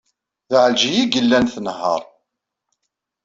D Ɛelǧiya ay yellan tnehheṛ.